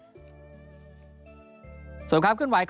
สวัสดีครับขึ้นไหว